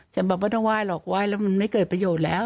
จะบอกว่าต้องไหว้หรอกไหว้แล้วมันไม่เกิดประโยชน์แล้ว